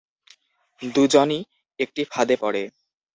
দুজনই একটি ফাঁদে পড়ে।